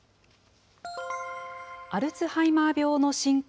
アルツハイマー病の進行